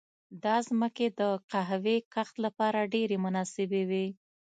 دا ځمکې د قهوې کښت لپاره ډېرې مناسبې وې.